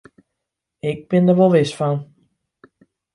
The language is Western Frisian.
Ik bin der wol wis fan.